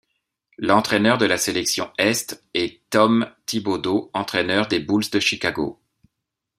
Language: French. L'entraîneur de la sélection Est est Tom Thibodeau, entraîneur des Bulls de Chicago.